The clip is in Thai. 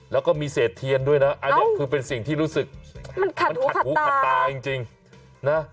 แล้วก็มีเศษเทียนด้วยนะอันเนี้ยคือเป็นสิ่งที่รู้สึกมันขัดหูขัดตามันขัดหูขัดตาจริงจริงนะ